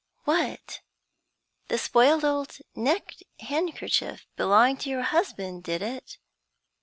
"What! the spoiled old neck handkerchief belonged to your husband, did it?"